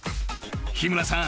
［日村さん。